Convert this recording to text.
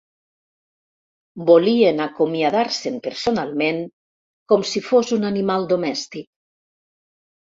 Volien acomiadar-se'n personalment, com si fos un animal domèstic.